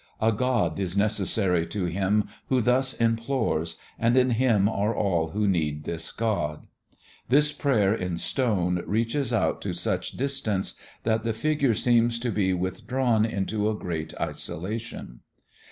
A God is necessary to him who thus implores and in him are all who need this God. This Prayer in stone reaches out to such distance that the figure seems to be withdrawn into a great isolation.